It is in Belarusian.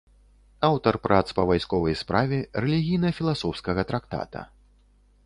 Аўтар прац па вайсковай справе, рэлігійна-філасофскага трактата.